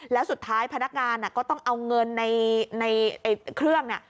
แล้วสุดท้ายพนักงานก็ต้องเอาเงินในเครื่องเนี่ย